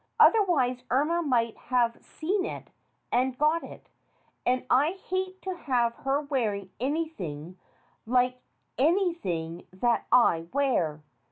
Otherwise Irma might have seen it and got it, and I hate to have her wearing anything like anything that I wear.